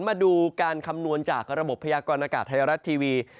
มาดูการคำนวณจากระบบพยากรณากาศไทยรัฐทีวี